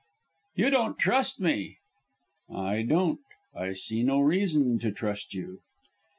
"You don't trust me." "I don't. I see no reason to trust you."